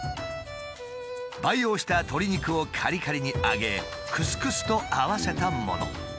培養した鶏肉をカリカリに揚げクスクスと合わせたもの。